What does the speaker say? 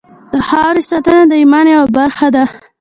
د خاورې ساتنه د ایمان یوه برخه ده.